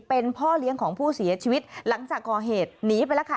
เป็นพ่อเลี้ยงของผู้เสียชีวิตหลังจากก่อเหตุหนีไปแล้วค่ะ